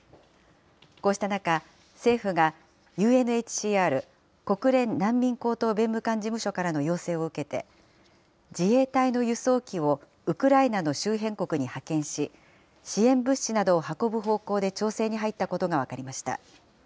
こうした中、政府がＵＮＨＣＲ・国連難民高等弁務官事務所からの要請を受けて、自衛隊の輸送機をウクライナの周辺国に派遣し、支援物資などを運ぶ方向で調整に入ったことが分かりました。